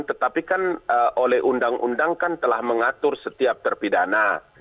tetapi kan oleh undang undang kan telah mengatur setiap terpidana